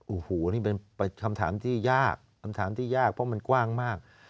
โอ้โหนี่เป็นคำถามที่ยากคำถามที่ยากเพราะมันกว้างมาก